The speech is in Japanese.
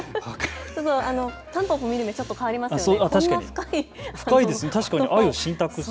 たんぽぽを見る目ちょっと変わりますよね。